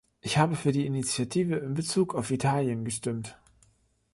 Ich habe für die Initiative in Bezug auf Italien gestimmt.